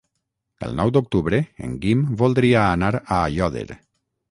El nou d'octubre en Guim voldria anar a Aiòder.